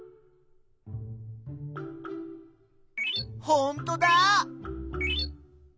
ほんとだ！